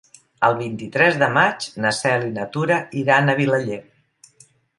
El vint-i-tres de maig na Cel i na Tura iran a Vilaller.